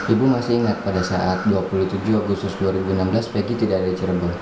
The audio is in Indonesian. ibu masih ingat pada saat dua puluh tujuh agustus dua ribu enam belas peggy tidak ada di cirebon